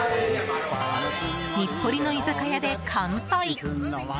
日暮里の居酒屋で乾杯。